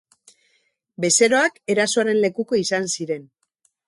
Bezeroak erasoaren lekuko izan ziren.